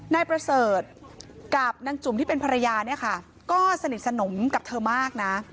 นายประเสริฐกับนางจุ่มที่เป็นภรรยาเนี่ยค่ะก็สนิทสนมกับเธอมากนะ